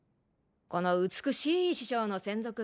この美しい師匠の専属メイド